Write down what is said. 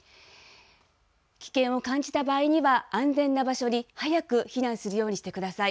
危険を感じた場合には、安全な場所に早く避難するようにしてください。